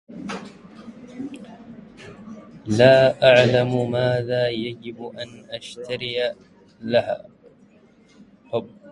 لا أعلم ماذا يجب ان أشتري لها